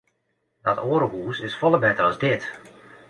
Dat oare hús is folle better as dit.